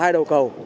hai đầu cầu